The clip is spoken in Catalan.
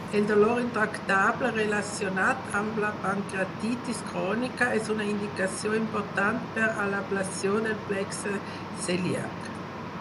El dolor intractable relacionat amb la pancreatitis crònica és una indicació important per a l'ablació del plexe celíac.